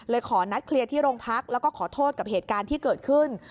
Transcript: ขอนัดเคลียร์ที่โรงพักแล้วก็ขอโทษกับเหตุการณ์ที่เกิดขึ้น